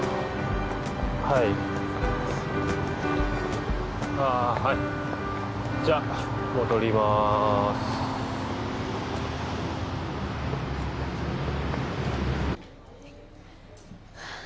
はいああはいじゃあ戻りますうわ